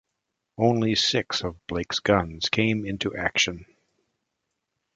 Only six of Blake's guns came into action.